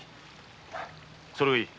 それがいい。